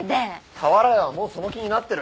俵屋はもうその気になってる。